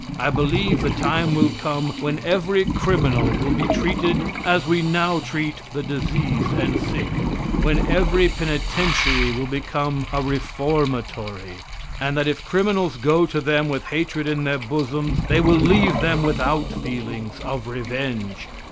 I believe the time will come when every criminal will be treated as we now treat the diseased and sick, when every penitentiary will become a reformatory, and that if criminals go to them with hatred in their bosoms, they will leave them without feelings of revenge.